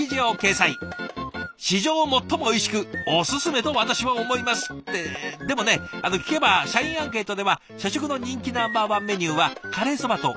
「史上最も美味しくおススメと私は思います」ってでもね聞けば社員アンケートでは社食の人気ナンバーワンメニューはカレーそばとカレーうどんなんですって。